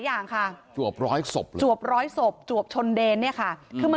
อย่างค่ะจวบร้อยศพเลยจวบร้อยศพจวบชนเดนเนี่ยค่ะคือมัน